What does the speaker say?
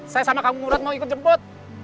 saya sama kang murad mau ikut jemput